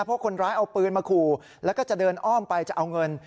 เพราะคนร้ายเอาปืนมาขู่แล้วก็จะเดินอ้อมไปจะเอาเงิน